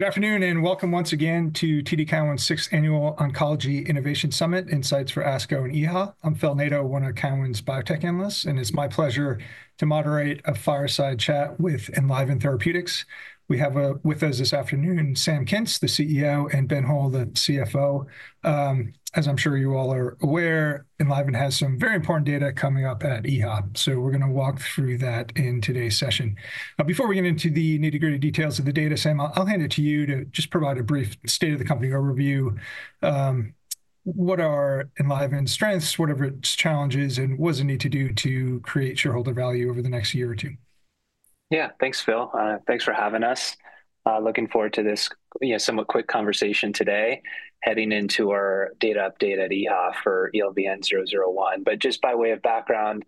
Good afternoon and welcome once again to TD Cowen's sixth annual Oncology Innovation Summit: Insights for ASCO and EHA. I'm Phil Nadeau, one of Cowen's biotech analysts, and it's my pleasure to moderate a fireside chat with Enliven Therapeutics. We have with us this afternoon Sam Kintz, the CEO, and Ben Hull, the CFO. As I'm sure you all are aware, Enliven has some very important data coming up at EHA, so we're going to walk through that in today's session. Before we get into the nitty-gritty details of the data, Sam, I'll hand it to you to just provide a brief state-of-the-company overview. What are Enliven's strengths, what are its challenges, and what does it need to do to create shareholder value over the next year or two? Yeah, thanks, Phil. Thanks for having us. Looking forward to this somewhat quick conversation today, heading into our data update at EHA for ELVN-001. Just by way of background,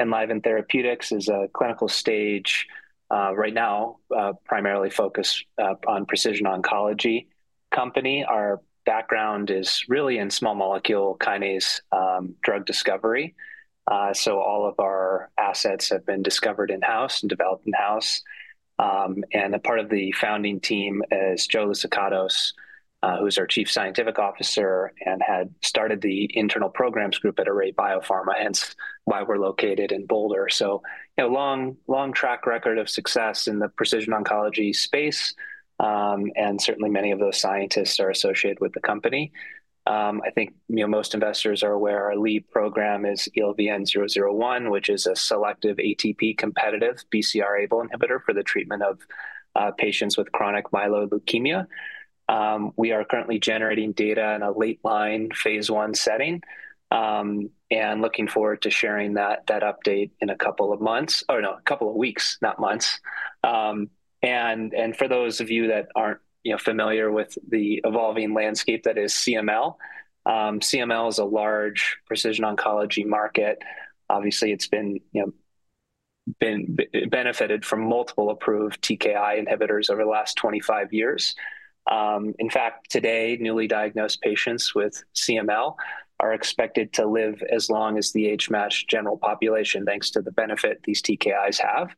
Enliven Therapeutics is a clinical stage right now, primarily focused on precision oncology company. Our background is really in small molecule kinase drug discovery. All of our assets have been discovered in-house and developed in-house. A part of the founding team is Joe Licatos, who's our Chief Scientific Officer and had started the internal programs group at Array Biopharma, hence why we're located in Boulder. A long track record of success in the precision oncology space, and certainly many of those scientists are associated with the company. I think most investors are aware our lead program is ELVN-001, which is a selective ATP-competitive BCR-ABL inhibitor for the treatment of patients with chronic myeloid leukemia. We are currently generating data in a late-line phase one setting and looking forward to sharing that update in a couple of months—or no, a couple of weeks, not months. For those of you that aren't familiar with the evolving landscape that is CML, CML is a large precision oncology market. Obviously, it's been benefited from multiple approved TKI inhibitors over the last 25 years. In fact, today, newly diagnosed patients with CML are expected to live as long as the age-matched general population, thanks to the benefit these TKIs have.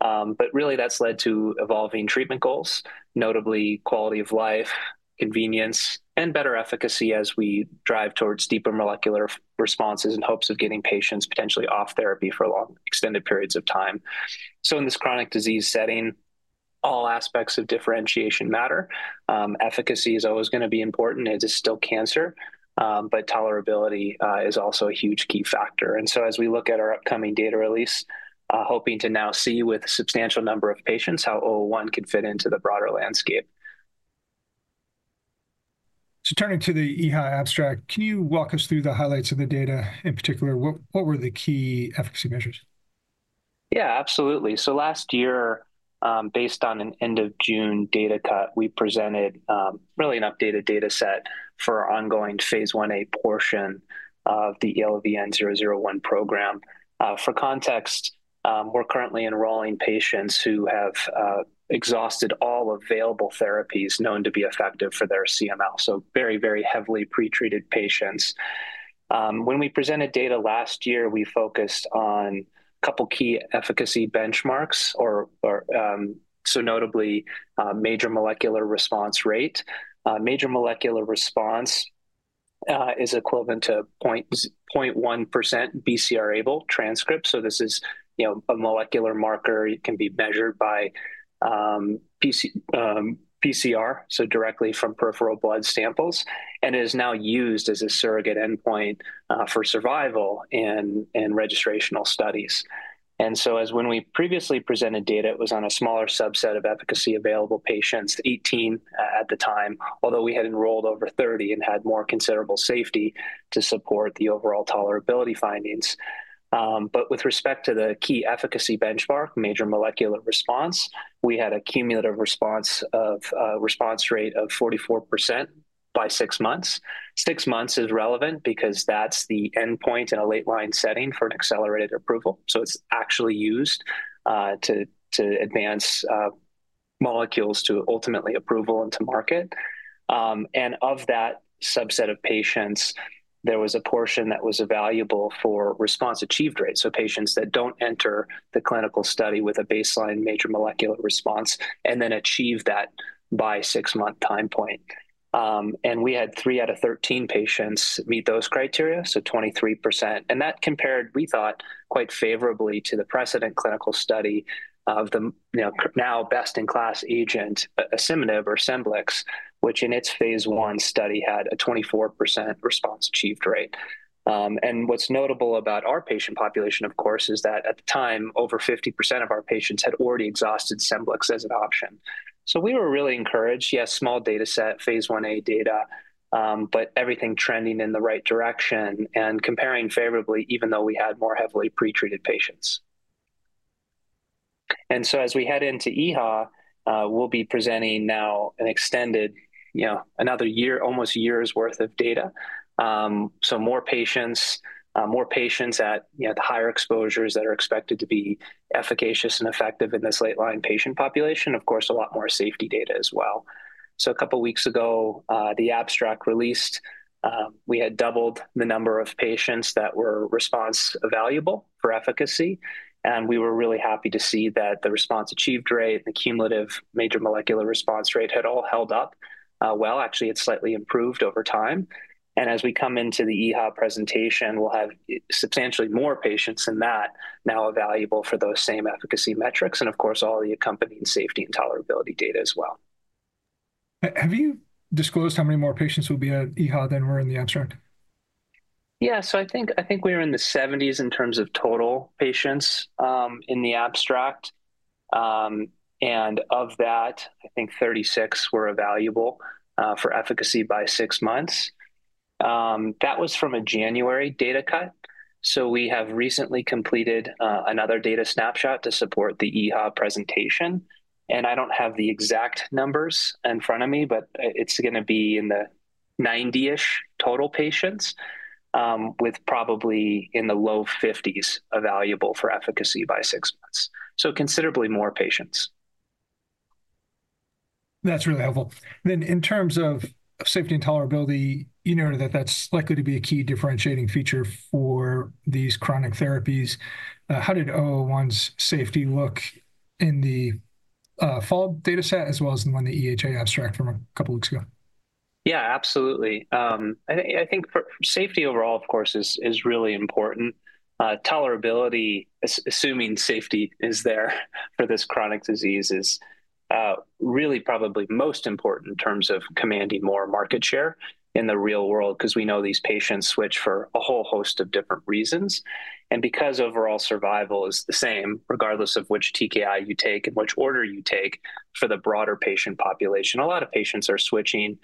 That has led to evolving treatment goals, notably quality of life, convenience, and better efficacy as we drive towards deeper molecular responses in hopes of getting patients potentially off therapy for long extended periods of time. In this chronic disease setting, all aspects of differentiation matter. Efficacy is always going to be important. It is still cancer, but tolerability is also a huge key factor. As we look at our upcoming data release, hoping to now see with a substantial number of patients how ELVN-001 can fit into the broader landscape. Turning to the EHA abstract, can you walk us through the highlights of the data in particular? What were the key efficacy measures? Yeah, absolutely. Last year, based on an end-of-June data cut, we presented really an updated data set for our ongoing phase one-a portion of the ELVN-001 program. For context, we're currently enrolling patients who have exhausted all available therapies known to be effective for their CML, so very, very heavily pretreated patients. When we presented data last year, we focused on a couple of key efficacy benchmarks, notably major molecular response rate. Major molecular response is equivalent to 0.1% BCR-ABL transcript. This is a molecular marker that can be measured by PCR, directly from peripheral blood samples, and is now used as a surrogate endpoint for survival and registrational studies. As when we previously presented data, it was on a smaller subset of efficacy-available patients, 18 at the time, although we had enrolled over 30 and had more considerable safety to support the overall tolerability findings. With respect to the key efficacy benchmark, major molecular response, we had a cumulative response rate of 44% by six months. Six months is relevant because that is the endpoint in a late-line setting for accelerated approval. It is actually used to advance molecules to ultimately approval and to market. Of that subset of patients, there was a portion that was evaluable for response achieved rate, so patients that do not enter the clinical study with a baseline major molecular response and then achieve that by the six-month time point. We had 3/13 patients meet those criteria, so 23%. That compared, we thought, quite favorably to the precedent clinical study of the now best-in-class agent, Asciminib or Scemblix, which in its phase one study had a 24% response achieved rate. What's notable about our patient population, of course, is that at the time, over 50% of our patients had already exhausted Scemblix as an option. We were really encouraged. Yes, small data set, phase 1A data, but everything trending in the right direction and comparing favorably, even though we had more heavily pretreated patients. As we head into EHA, we'll be presenting now an extended, another year, almost year's worth of data. More patients, more patients at the higher exposures that are expected to be efficacious and effective in this late-line patient population, of course, a lot more safety data as well. A couple of weeks ago, the abstract released, we had doubled the number of patients that were response-available for efficacy. We were really happy to see that the response achieved rate, the cumulative major molecular response rate had all held up well. Actually, it has slightly improved over time. As we come into the EHA presentation, we will have substantially more patients than that now available for those same efficacy metrics and, of course, all the accompanying safety and tolerability data as well. Have you disclosed how many more patients will be at EHA than were in the abstract? Yeah, so I think we were in the 70s in terms of total patients in the abstract. Of that, I think 36 were available for efficacy by six months. That was from a January data cut. We have recently completed another data snapshot to support the EHA presentation. I do not have the exact numbers in front of me, but it is going to be in the 90-ish total patients with probably in the low 50s available for efficacy by six months. Considerably more patients. That's really helpful. In terms of safety and tolerability, you noted that that's likely to be a key differentiating feature for these chronic therapies. How did ELVN-001's safety look in the fall data set as well as in the EHA abstract from a couple of weeks ago? Yeah, absolutely. I think safety overall, of course, is really important. Tolerability, assuming safety is there for this chronic disease, is really probably most important in terms of commanding more market share in the real world because we know these patients switch for a whole host of different reasons. Because overall survival is the same regardless of which TKI you take and which order you take for the broader patient population, a lot of patients are switching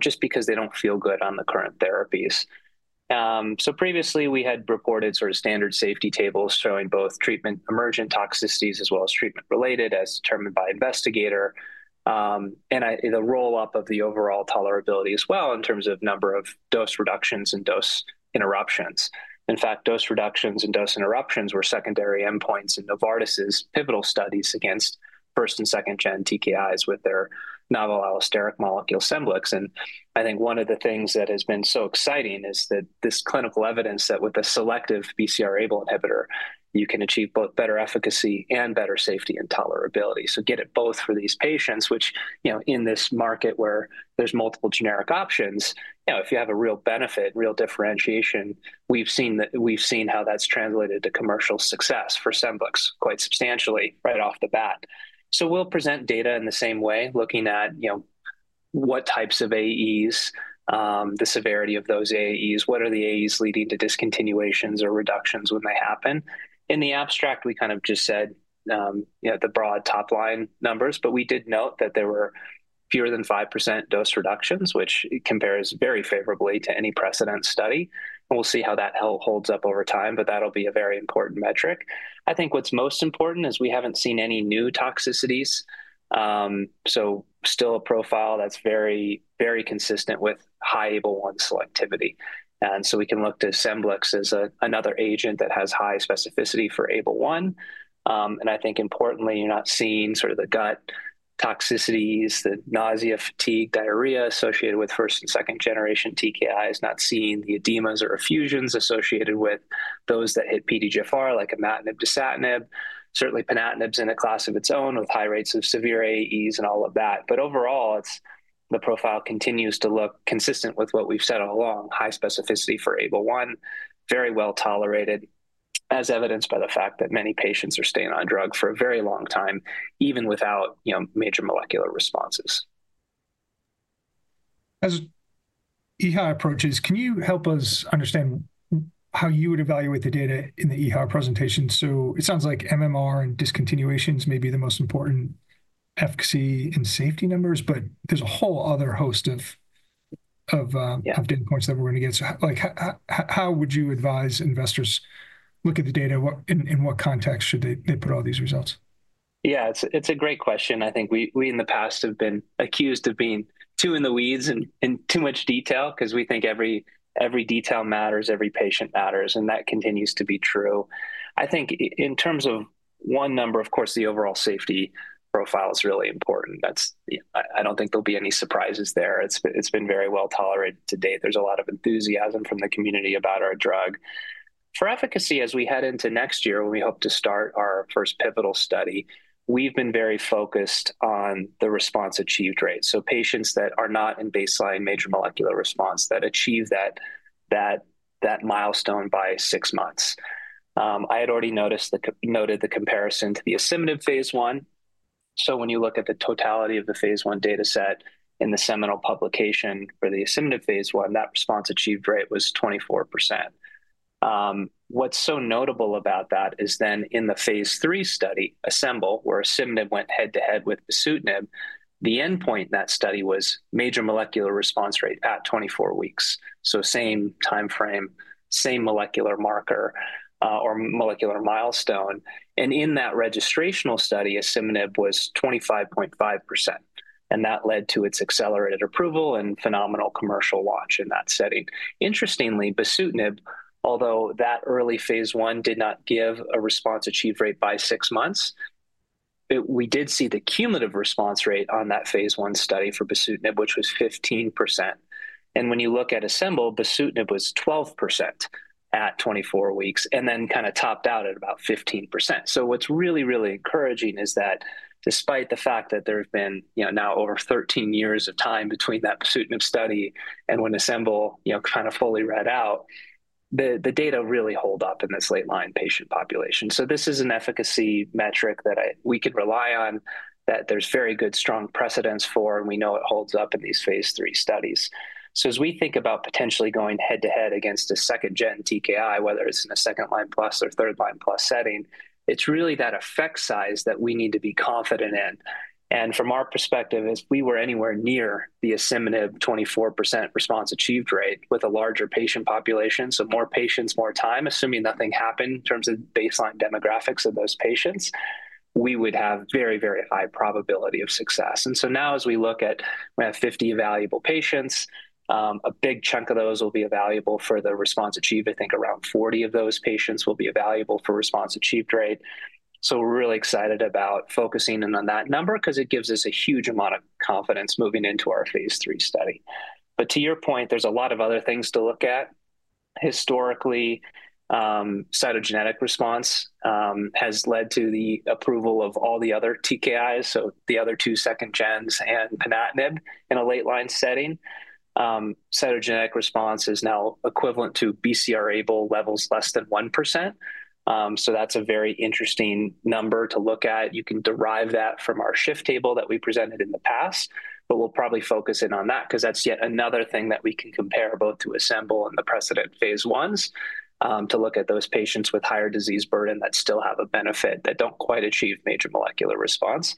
just because they don't feel good on the current therapies. Previously, we had reported sort of standard safety tables showing both treatment emergent toxicities as well as treatment-related as determined by investigator and the roll-up of the overall tolerability as well in terms of number of dose reductions and dose interruptions. In fact, dose reductions and dose interruptions were secondary endpoints in Novartis' pivotal studies against first- and second-gen TKIs with their novel allosteric molecule Scemblix. I think one of the things that has been so exciting is that this clinical evidence that with a selective BCR-ABL inhibitor, you can achieve both better efficacy and better safety and tolerability. You get it both for these patients, which in this market where there are multiple generic options, if you have a real benefit, real differentiation, we have seen how that has translated to commercial success for Scemblix quite substantially right off the bat. We will present data in the same way, looking at what types of AEs, the severity of those AEs, what are the AEs leading to discontinuations or reductions when they happen. In the abstract, we kind of just said the broad top-line numbers, but we did note that there were fewer than 5% dose reductions, which compares very favorably to any precedent study. We'll see how that holds up over time, but that'll be a very important metric. I think what's most important is we haven't seen any new toxicities. Still a profile that's very, very consistent with high ABL1 selectivity. We can look to Scemblix as another agent that has high specificity for ABL1. I think importantly, you're not seeing sort of the gut toxicities, the nausea, fatigue, diarrhea associated with first and second-generation TKIs. Not seeing the edemas or effusions associated with those that hit PDGFR like Imatinib, Dasatinib. Certainly, Ponatinib's in a class of its own with high rates of severe AEs and all of that. Overall, the profile continues to look consistent with what we've said all along: high specificity for ABL1, very well tolerated, as evidenced by the fact that many patients are staying on drug for a very long time, even without major molecular responses. As EHA approaches, can you help us understand how you would evaluate the data in the EHA presentation? It sounds like MMR and discontinuations may be the most important efficacy and safety numbers, but there is a whole other host of endpoints that we are going to get. How would you advise investors to look at the data? In what context should they put all these results? Yeah, it's a great question. I think we in the past have been accused of being too in the weeds and too much detail because we think every detail matters, every patient matters, and that continues to be true. I think in terms of one number, of course, the overall safety profile is really important. I don't think there'll be any surprises there. It's been very well tolerated to date. There's a lot of enthusiasm from the community about our drug. For efficacy, as we head into next year, we hope to start our first pivotal study. We've been very focused on the response achieved rate. So patients that are not in baseline major molecular response that achieve that milestone by six months. I had already noted the comparison to the Asciminib phase one. When you look at the totality of the phase one data set in the seminal publication for the Asciminib phase one, that response achieved rate was 24%. What's so notable about that is then in the phase three study, ASCEMBL, where Asciminib went head-to-head with Bosutinib, the endpoint in that study was major molecular response rate at 24 weeks. Same time frame, same molecular marker or molecular milestone. In that registrational study, Asciminib was 25.5%. That led to its accelerated approval and phenomenal commercial watch in that setting. Interestingly, Bosutinib, although that early phase one did not give a response achieved rate by six months, we did see the cumulative response rate on that phase one study for Bosutinib, which was 15%. When you look at ASCEMBL, Bosutinib was 12% at 24 weeks and then kind of topped out at about 15%. What's really, really encouraging is that despite the fact that there have been now over 13 years of time between that Bosutinib study and when Asciminib kind of fully read out, the data really hold up in this late-line patient population. This is an efficacy metric that we can rely on, that there's very good strong precedence for, and we know it holds up in these phase three studies. As we think about potentially going head-to-head against a second-gen TKI, whether it's in a second-line plus or third-line plus setting, it's really that effect size that we need to be confident in. From our perspective, if we were anywhere near the Asciminib 24% response achieved rate with a larger patient population, so more patients, more time, assuming nothing happened in terms of baseline demographics of those patients, we would have very, very high probability of success. Now as we look at we have 50 valuable patients, a big chunk of those will be available for the response achieved. I think around 40 of those patients will be available for response achieved rate. We are really excited about focusing in on that number because it gives us a huge amount of confidence moving into our phase three study. To your point, there is a lot of other things to look at. Historically, cytogenetic response has led to the approval of all the other TKIs, so the other two second gens and Ponatinib in a late-line setting. Cytogenetic response is now equivalent to BCR-ABL levels less than 1%. That is a very interesting number to look at. You can derive that from our shift table that we presented in the past, but we'll probably focus in on that because that's yet another thing that we can compare both to Asciminib and the precedent phase ones to look at those patients with higher disease burden that still have a benefit that don't quite achieve major molecular response.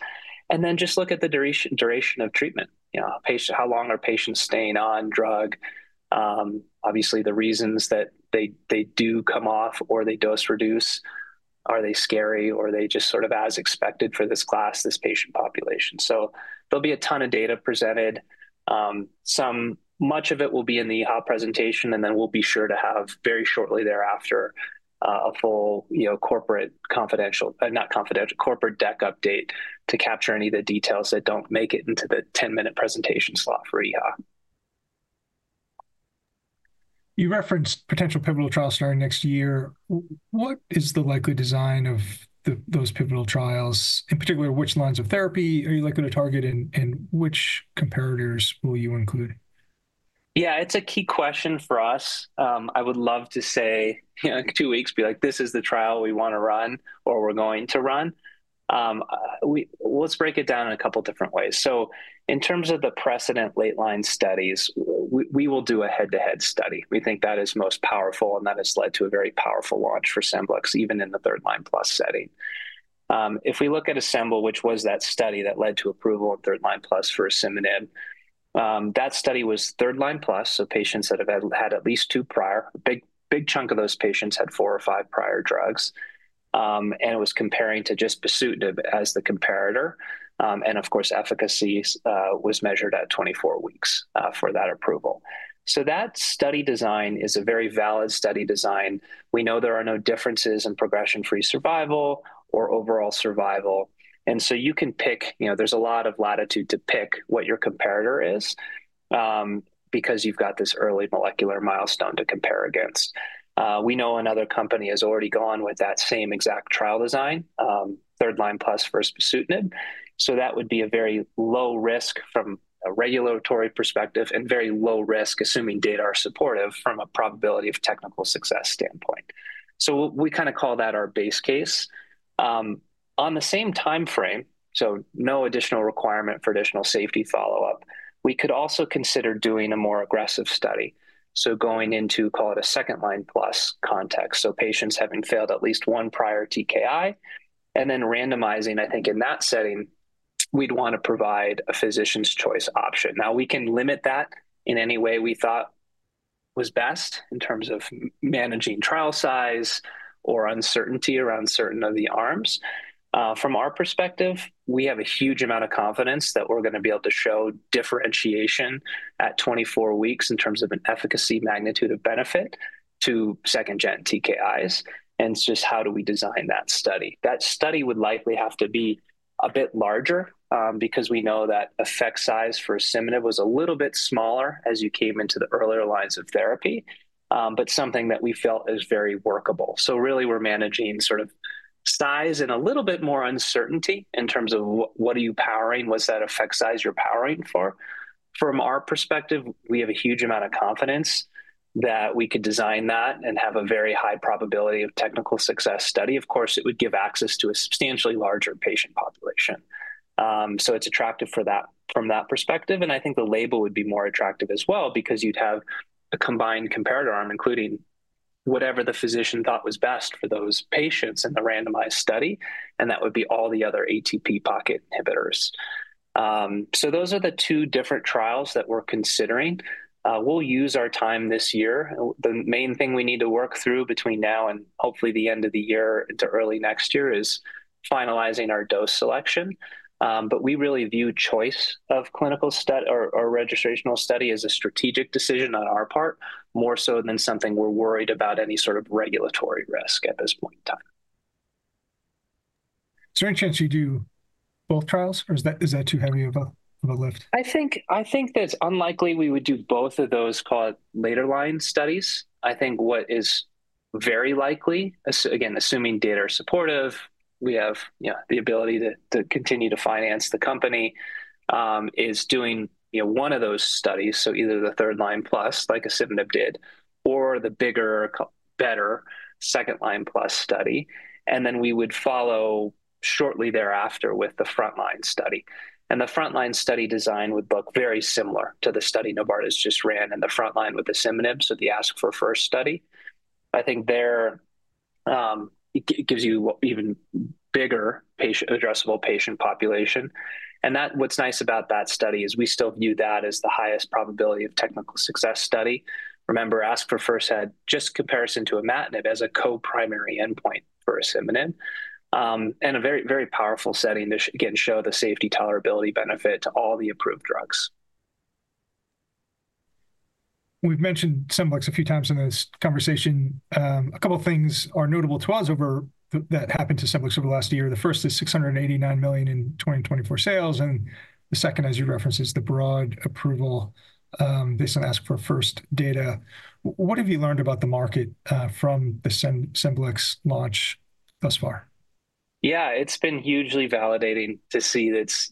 Then just look at the duration of treatment. How long are patients staying on drug? Obviously, the reasons that they do come off or they dose reduce, are they scary or are they just sort of as expected for this class, this patient population? There'll be a ton of data presented. Much of it will be in the EHA presentation, and then we'll be sure to have very shortly thereafter a full corporate, not confidential, corporate deck update to capture any of the details that don't make it into the 10-minute presentation slot for EHA. You referenced potential pivotal trials starting next year. What is the likely design of those pivotal trials? In particular, which lines of therapy are you likely to target and which comparators will you include? Yeah, it's a key question for us. I would love to say in two weeks, be like, "This is the trial we want to run or we're going to run." Let's break it down in a couple of different ways. In terms of the precedent late-line studies, we will do a head-to-head study. We think that is most powerful, and that has led to a very powerful watch for Scemblix, even in the third-line plus setting. If we look at ASCEMBL, which was that study that led to approval of third-line plus for Asciminib, that study was third-line plus, so patients that have had at least two prior. Big chunk of those patients had four or five prior drugs. It was comparing to just Bosutinib as the comparator. Of course, efficacy was measured at 24 weeks for that approval. That study design is a very valid study design. We know there are no differences in progression-free survival or overall survival. You can pick, there's a lot of latitude to pick what your comparator is because you've got this early molecular milestone to compare against. We know another company has already gone with that same exact trial design, third-line plus versus Bosutinib. That would be a very low risk from a regulatory perspective and very low risk, assuming data are supportive from a probability of technical success standpoint. We kind of call that our base case. On the same time frame, so no additional requirement for additional safety follow-up, we could also consider doing a more aggressive study. Going into, call it a second-line plus context. Patients having failed at least one prior TKI and then randomizing, I think in that setting, we'd want to provide a physician's choice option. Now, we can limit that in any way we thought was best in terms of managing trial size or uncertainty around certain of the arms. From our perspective, we have a huge amount of confidence that we're going to be able to show differentiation at 24 weeks in terms of an efficacy magnitude of benefit to second-gen TKIs. It's just how do we design that study? That study would likely have to be a bit larger because we know that effect size for Asciminib was a little bit smaller as you came into the earlier lines of therapy, but something that we felt is very workable. We're managing sort of size and a little bit more uncertainty in terms of what are you powering, what's that effect size you're powering for. From our perspective, we have a huge amount of confidence that we could design that and have a very high probability of technical success study. Of course, it would give access to a substantially larger patient population. It's attractive from that perspective. I think the label would be more attractive as well because you'd have a combined comparator arm, including whatever the physician thought was best for those patients in the randomized study, and that would be all the other ATP pocket inhibitors. Those are the two different trials that we're considering. We'll use our time this year. The main thing we need to work through between now and hopefully the end of the year into early next year is finalizing our dose selection. We really view choice of clinical or registrational study as a strategic decision on our part, more so than something we're worried about any sort of regulatory risk at this point in time. Is there any chance you do both trials or is that too heavy of a lift? I think that it's unlikely we would do both of those called later-line studies. I think what is very likely, again, assuming data are supportive, we have the ability to continue to finance the company is doing one of those studies, so either the third-line plus, like Asciminib did, or the bigger, better second-line plus study. We would follow shortly thereafter with the front-line study. The front-line study design would look very similar to the study Novartis just ran in the front line with Asciminib, so the ASC4FIRST study. I think there it gives you even bigger addressable patient population. What's nice about that study is we still view that as the highest probability of technical success study. Remember, ASC4FIRST had just comparison to Imatinib as a co-primary endpoint for Asciminib. A very, very powerful setting to, again, show the safety tolerability benefit to all the approved drugs. We've mentioned Scemblix a few times in this conversation. A couple of things are notable to us that happened to Scemblix over the last year. The first is $689 million in 2024 sales. The second, as you referenced, is the broad approval based on Asciminib first data. What have you learned about the market from the Scemblix launch thus far? Yeah, it's been hugely validating to see its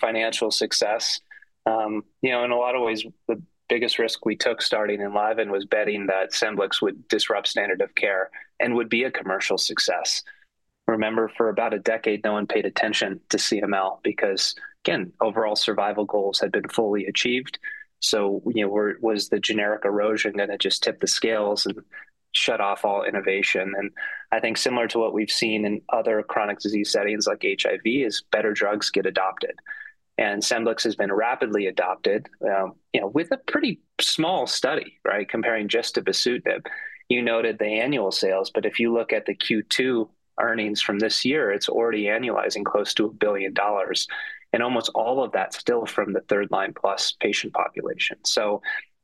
financial success. In a lot of ways, the biggest risk we took starting Enliven was betting that Scemblix would disrupt standard of care and would be a commercial success. Remember, for about a decade, no one paid attention to CML because, again, overall survival goals had been fully achieved. Was the generic erosion going to just tip the scales and shut off all innovation? I think similar to what we've seen in other chronic disease settings like HIV is better drugs get adopted. Scemblix has been rapidly adopted with a pretty small study, right? Comparing just to Bosutinib, you noted the annual sales, but if you look at the Q2 earnings from this year, it's already annualizing close to $1 billion. Almost all of that's still from the third-line plus patient population.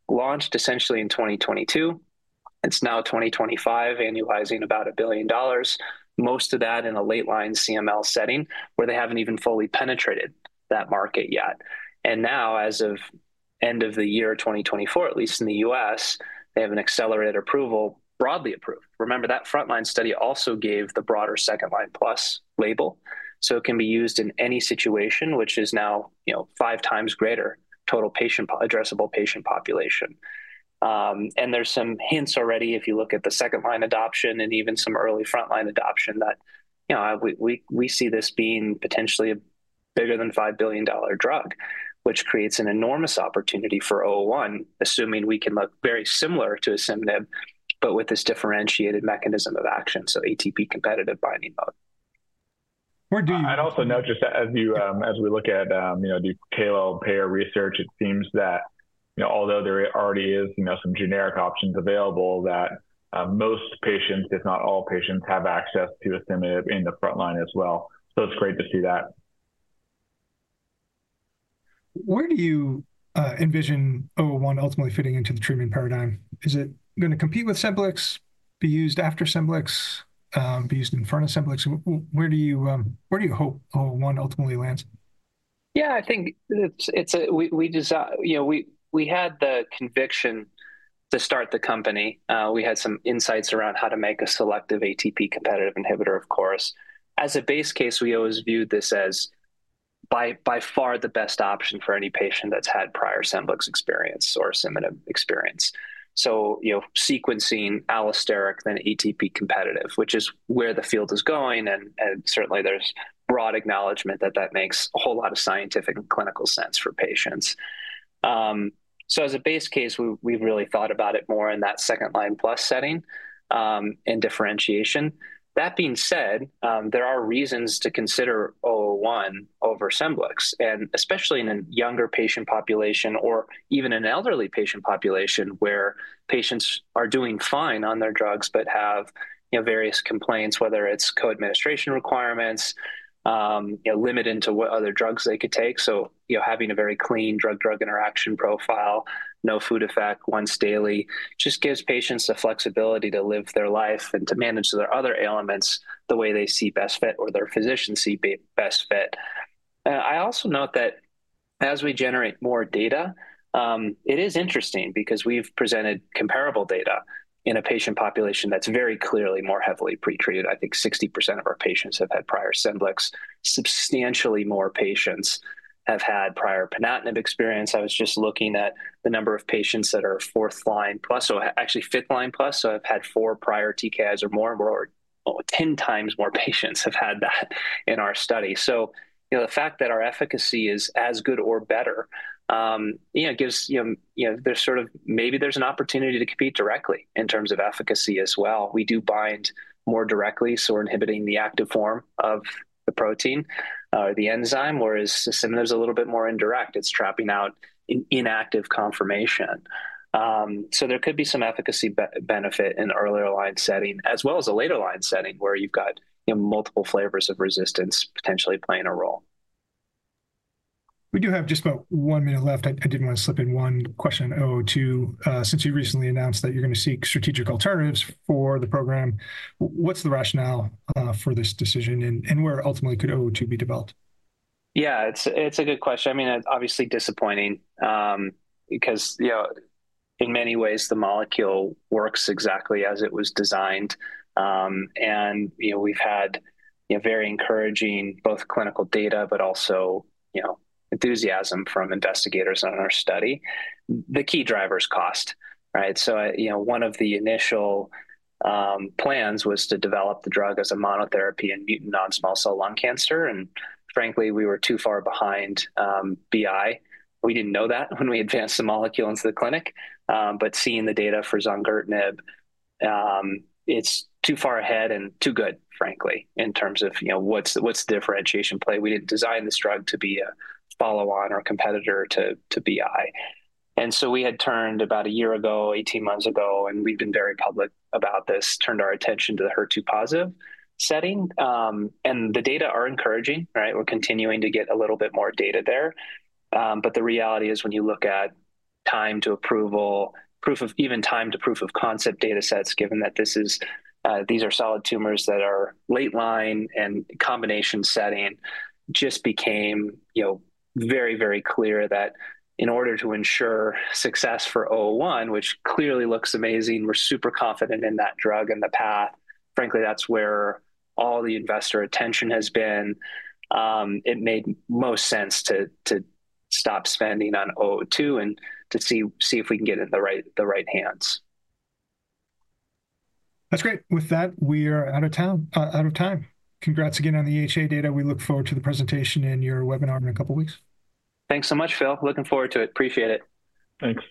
Launched essentially in 2022, it's now 2025, annualizing about $1 billion. Most of that in a late-line CML setting where they haven't even fully penetrated that market yet. As of end of the year 2024, at least in the U.S., they have an accelerated approval, broadly approved. Remember, that front-line study also gave the broader second-line plus label. It can be used in any situation, which is now five times greater total addressable patient population. There are some hints already if you look at the second-line adoption and even some early front-line adoption that we see this being potentially a bigger than $5 billion drug, which creates an enormous opportunity for ELVN-001, assuming we can look very similar to Asciminib, but with this differentiated mechanism of action, so ATP competitive binding mode. I'd also note just as we look at the CML payer research, it seems that although there already is some generic options available, that most patients, if not all patients, have access to Asciminib in the front line as well. It's great to see that. Where do you envision ELVN-001 ultimately fitting into the treatment paradigm? Is it going to compete with Scemblix, be used after Scemblix, be used in front of Scemblix? Where do you hope ELVN-001 ultimately lands? Yeah, I think we had the conviction to start the company. We had some insights around how to make a selective ATP competitive inhibitor, of course. As a base case, we always viewed this as by far the best option for any patient that's had prior Scemblix experience or Asciminib experience. Sequencing allosteric, then ATP competitive, which is where the field is going. There is broad acknowledgement that that makes a whole lot of scientific and clinical sense for patients. As a base case, we've really thought about it more in that second-line plus setting and differentiation. That being said, there are reasons to consider ELVN-001 over Scemblix, and especially in a younger patient population or even an elderly patient population where patients are doing fine on their drugs but have various complaints, whether it's co-administration requirements, limit into what other drugs they could take. Having a very clean drug-drug interaction profile, no food effect, once daily, just gives patients the flexibility to live their life and to manage their other ailments the way they see best fit or their physician see best fit. I also note that as we generate more data, it is interesting because we've presented comparable data in a patient population that's very clearly more heavily pretreated. I think 60% of our patients have had prior Scemblix. Substantially more patients have had prior Ponatinib experience. I was just looking at the number of patients that are fourth-line plus, so actually fifth-line plus, so have had four prior TKIs or more, or 10 times more patients have had that in our study. The fact that our efficacy is as good or better gives, there's sort of, maybe there's an opportunity to compete directly in terms of efficacy as well. We do bind more directly, so we're inhibiting the active form of the protein or the enzyme, whereas Asciminib is a little bit more indirect. It's trapping out inactive conformation. There could be some efficacy benefit in earlier line setting, as well as a later line setting where you've got multiple flavors of resistance potentially playing a role. We do have just about one minute left. I didn't want to slip in one question on ELVN-002. Since you recently announced that you're going to seek strategic alternatives for the program, what's the rationale for this decision and where ultimately could ELVN-002 be developed? Yeah, it's a good question. I mean, obviously disappointing because in many ways, the molecule works exactly as it was designed. And we've had very encouraging both clinical data, but also enthusiasm from investigators on our study. The key driver is cost, right? One of the initial plans was to develop the drug as a monotherapy in mutant non-small cell lung cancer. Frankly, we were too far behind BI. We didn't know that when we advanced the molecule into the clinic. Seeing the data for Zongertinib, it's too far ahead and too good, frankly, in terms of what's the differentiation play? We didn't design this drug to be a follow-on or competitor to BI. We had turned about a year ago, 18 months ago, and we've been very public about this, turned our attention to the HER2+ setting. The data are encouraging, right? We're continuing to get a little bit more data there. The reality is when you look at time to approval, proof of even time to proof of concept data sets, given that these are solid tumors that are late line and combination setting, it just became very, very clear that in order to ensure success for ELVN-001, which clearly looks amazing, we're super confident in that drug and the path. Frankly, that's where all the investor attention has been. It made most sense to stop spending on ELVN-002 and to see if we can get it in the right hands. That's great. With that, we are out of time. Congrats again on the EHA data. We look forward to the presentation and your webinar in a couple of weeks. Thanks so much, Phil. Looking forward to it. Appreciate it. Thanks.